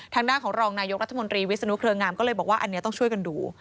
ทางด้านของรองนายกรัฐมนตรีวิศนุเครืองามก็เลยบอกว่าอันนี้ต้องช่วยกันดู